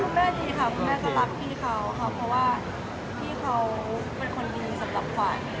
แม่ดีค่ะคุณแม่ก็รักพี่เขาค่ะเพราะว่าพี่เขาเป็นคนดีสำหรับขวัญ